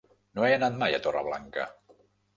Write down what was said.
No he anat mai a Torreblanca.